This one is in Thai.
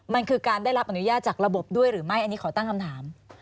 มันคือการได้รับอนุญาตจากระบบด้วยหรือไม่อันนี้ขอตั้งคำถาม